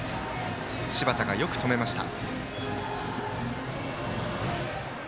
柴田がよく止めました。